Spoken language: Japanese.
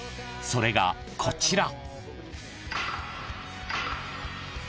［それがこちら］